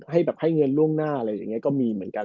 ให้แบบให้เงินล่วงหน้าอะไรอย่างนี้ก็มีเหมือนกัน